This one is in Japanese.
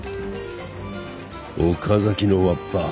岡崎のわっぱ